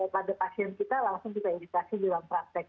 pada pasien kita langsung kita edukasi di ruang praktek